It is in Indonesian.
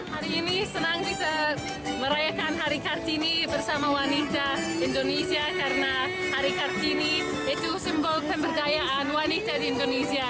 hari ini senang bisa merayakan hari kartini bersama wanita indonesia karena hari kartini itu simbol pemberdayaan wanita di indonesia